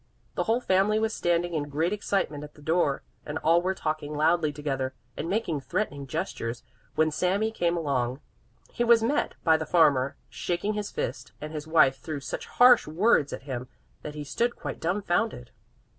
The whole family was standing in great excitement at the door and all were talking loudly together and making threatening gestures, when Sami came along. He was met by the farmer, shaking his fist, and his wife threw such harsh words at him that he stood quite dumfounded.